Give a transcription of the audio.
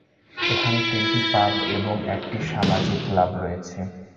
এখানে তিনটি পাব এবং একটি সামাজিক ক্লাব রয়েছে।